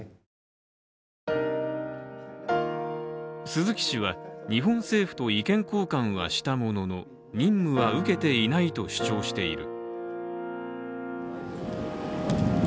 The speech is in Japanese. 鈴木氏は日本政府と意見交換はしたものの、任務は受けていないと主張している。